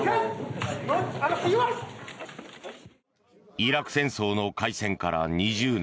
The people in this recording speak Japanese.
イラク戦争の開戦から２０年。